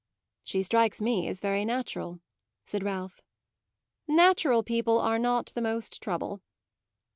"She strikes me as very natural," said Ralph. "Natural people are not the most trouble."